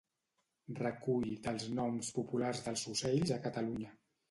Recull dels noms populars dels ocells a Catalunya